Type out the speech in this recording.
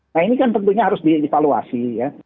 nah ini kan tentunya harus dievaluasi ya